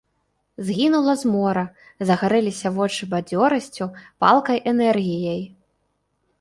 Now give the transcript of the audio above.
Згінула змора, загарэліся вочы бадзёрасцю, палкай энергіяй.